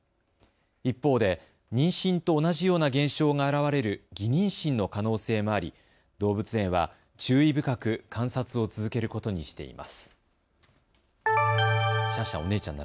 一方で妊娠と同じような現象が現れる偽妊娠の可能性もあり動物園は注意深く観察を続けることにしています。